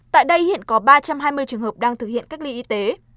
tại đây hiện có ba trăm hai mươi trường hợp đang thực hiện cách ly y tế